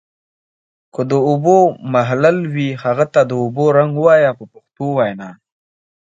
که د اوبو محلل وي هغه ته د اوبو رنګ وایي په پښتو وینا.